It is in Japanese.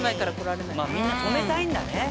みんな停めたいんだね。